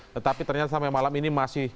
tetapi ternyata sampai malam ini masih